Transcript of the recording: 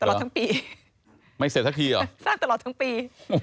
บอกว่าถนนตรงนั้นนี่สร้างตลอดเลยตลอดทั้งปีสร้างตลอดทั้งปี